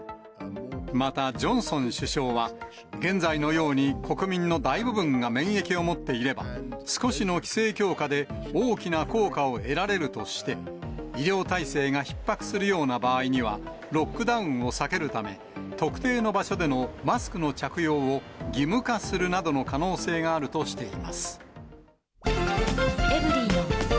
またジョンソン首相は、現在のように、国民の大部分が免疫を持っていれば、少しの規制強化で大きな効果を得られるとして、医療体制がひっ迫するような場合には、ロックダウンを避けるため、特定の場所でのマスクの着用を義務化するなどの可能性があるとしています。